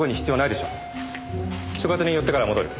所轄に寄ってから戻る。